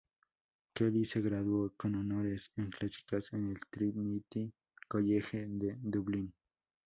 Kelly se graduó con honores en Clásicas en el Trinity College de Dublín.